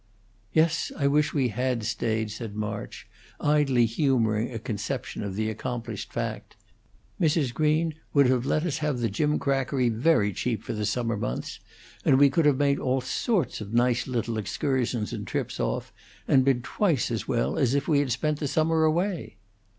"Yes, I wish we had stayed," said March, idly humoring a conception of the accomplished fact. "Mrs. Green would have let us have the gimcrackery very cheap for the summer months; and we could have made all sorts of nice little excursions and trips off and been twice as well as if we had spent the summer away."